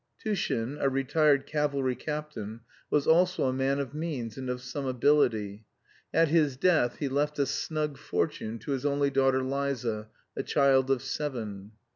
Tushin, a retired cavalry captain, was also a man of means, and of some ability. At his death he left a snug fortune to his only daughter Liza, a child of seven.